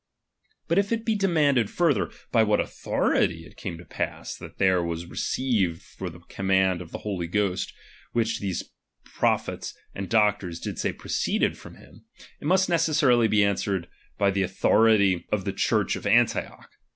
But if it be demanded further, by what authority it came to pass, that that was received for the command of the Holy Ghost, which those prophets and doctors did say proceeded from him ; it must necessarily be an swered, by the authority of the Church of Antioch.